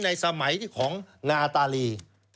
ในสมัยที่ของนาตาลี